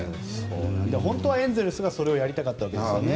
本当はエンゼルスがそれをやりたかったんですよね。